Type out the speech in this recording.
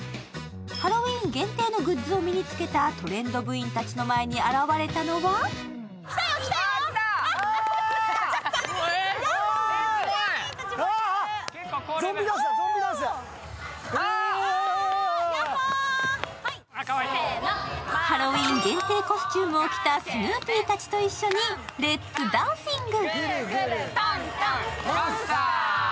ハロウィーン限定のグッズを身につけたトレンド部員たちの前に現れたのはハロウィーン限定コスチュームを着たスヌーピーたちと一緒にレッツ・ダンシング。